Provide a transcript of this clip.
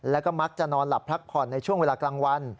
แล้วก็มักจะนอนหลับพักผ่อนในช่วงเวลากลางวัน